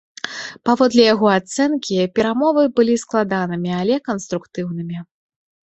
Паводле яго ацэнкі, перамовы былі складанымі, але канструктыўнымі.